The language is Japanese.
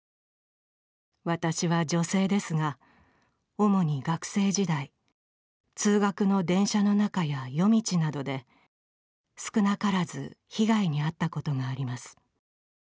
私は女性ですが、主に学生時代通学の電車の中や夜道などで少なからず被害に遭ったことがあります。